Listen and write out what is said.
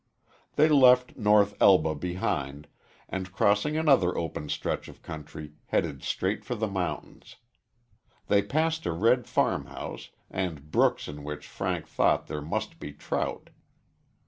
They left North Elba behind, and crossing another open stretch of country, headed straight for the mountains. They passed a red farmhouse, and brooks in which Frank thought there must be trout.